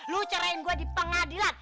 lo cerain gue di pengadilan